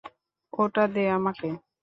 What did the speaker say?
ওটা দে আমাকে।